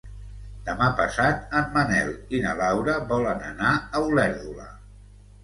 Demà passat en Manel i na Laura volen anar a Olèrdola.